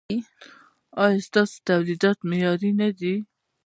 ایا ستاسو تولیدات معیاري نه دي؟